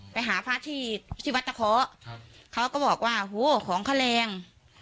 ไปหาพระที่ที่วัดตะเคาะเขาก็บอกว่าโหของเขาแรง